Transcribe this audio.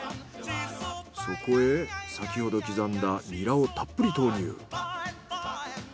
そこへ先ほど刻んだニラをたっぷり投入。